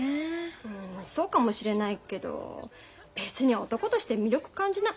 うんそうかもしれないけど別に男として魅力感じない。